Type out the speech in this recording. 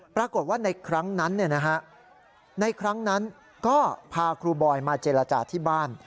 ปรากฏว่าในครั้งนั้นก็พาครูบอยมาเจรจาที่บ้าน